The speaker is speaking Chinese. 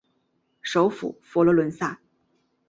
首府佛罗伦萨。